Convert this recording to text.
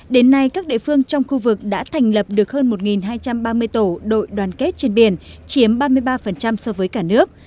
đến nay các địa phương trong khu vực đã thành lập được hơn một hai trăm ba mươi tổ đội đoàn kết trên biển chiếm ba mươi ba so với cả nước